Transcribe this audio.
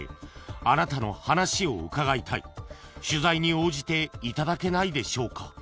「あなたの話を伺いたい」「取材に応じていただけないでしょうか」